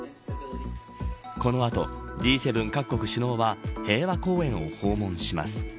この後Ｇ７各国首脳は平和公園を訪問します。